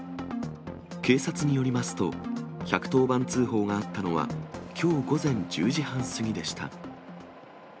警察によりますと、１１０番通報があったのは、きょう午前１０時半過ぎでした。